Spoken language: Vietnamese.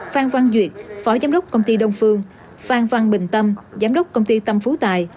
phan văn duyệt phó giám đốc công ty đông phương phan văn bình tâm giám đốc công ty tâm phú tài